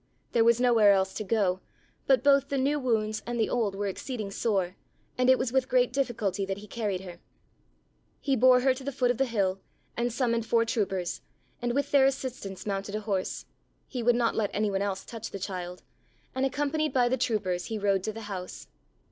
There was nowhere else to go, but both the new wounds and the old were exceeding sore and it was with great difficulty that he carried her. He bore her to the foot of the hill and summoned four troopers, and with their assistance mounted a horse. He would not let any one else touch the child and, accompanied by the troopers, he rode to the house.